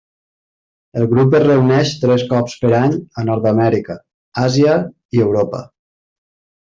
El grup es reuneix tres cops per any a Nord-amèrica, Àsia i Europa.